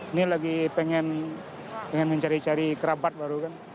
ini lagi pengen mencari cari kerabat baru kan